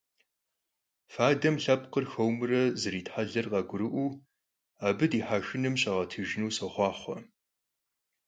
Fadem lhepkhır xuemure zeritheler khagurı'ueu abı dihexxem şağetıjjınu soxhuaxhue!